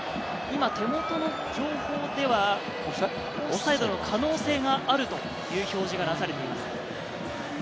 手元の情報では、オフサイドの可能性があるという表示がなされています。